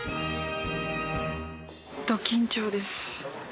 ど緊張です。